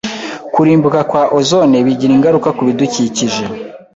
Kurimbuka kwa ozone bigira ingaruka kubidukikije.